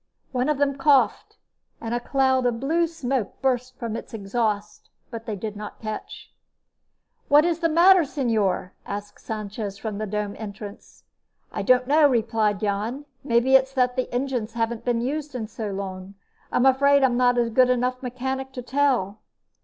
One of them coughed, and a cloud of blue smoke burst from its exhaust, but they did not catch. "What is the matter, señor?" asked Sanchez from the dome entrance. "I don't know," replied Jan. "Maybe it's that the engines haven't been used in so long. I'm afraid I'm not a good enough mechanic to tell."